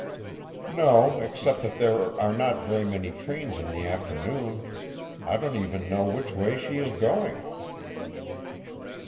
"No except that there are not very many trains in the afternoon. I don't even know which way she is going."